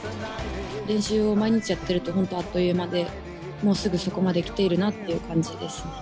練習を毎日やってると、本当あっという間で、もうすぐそこまで来ているなっていう感じですね。